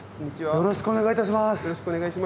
よろしくお願いします。